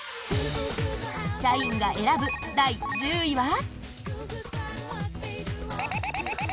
社員が選ぶ、第１０位は。